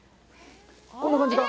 こんな感じか。